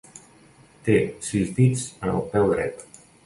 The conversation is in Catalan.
Té sis dits en el peu dret.